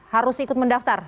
harus ikut mendaftar